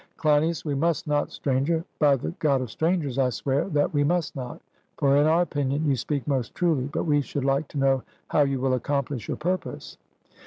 CLEINIAS: We must not, Stranger, by the God of strangers I swear that we must not, for in our opinion you speak most truly; but we should like to know how you will accomplish your purpose.